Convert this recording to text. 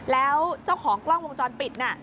แล้วเจ้าของกล้องวงจรปิดน่ะ